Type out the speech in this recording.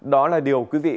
đó là điều quý vị